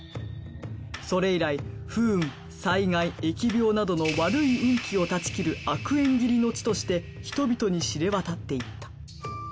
それ以来不運災害疫病などの悪い運気を断ち切る悪縁切りの地として人々に知れ渡っていった。